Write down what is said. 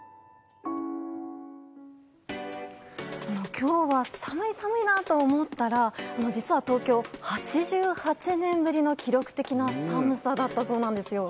今日は寒い寒いなと思ったら実は東京８８年ぶりの記録的な寒さだったそうなんです。